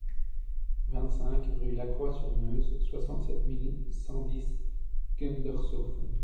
vingt-cinq rue Lacroix sur Meuse, soixante-sept mille cent dix Gundershoffen